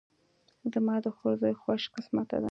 زما د خور زوی خوش قسمته ده